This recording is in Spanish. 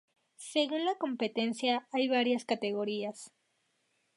Según la competencia, hay varias categorías.